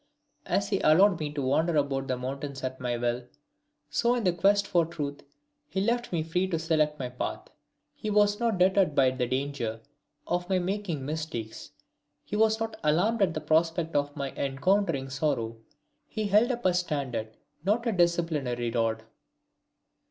As he allowed me to wander about the mountains at my will, so in the quest for truth he left me free to select my path. He was not deterred by the danger of my making mistakes, he was not alarmed at the prospect of my encountering sorrow. He held up a standard, not a disciplinary rod.